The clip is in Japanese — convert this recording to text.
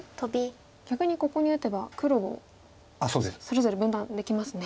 逆にここに打てば黒をそれぞれ分断できますね。